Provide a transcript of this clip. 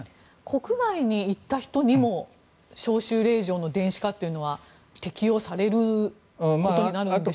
国外に行った人にも招集令状の電子化っていうのは適用されることになるんでしょうか。